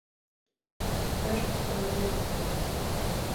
berf dibarîya